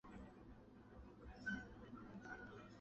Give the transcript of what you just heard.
彤城氏是中国文献记载到的远古姒姓氏族。